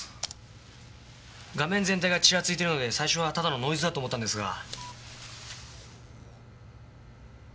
画面全体がちらついているので最初はただのノイズだと思ったんですが。